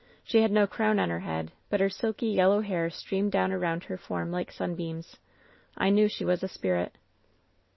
She had no crown on her head, but her silky, yellow hair streamed down around her form like sunbeams. I knew she was a spirit.